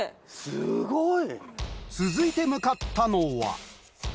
すごい！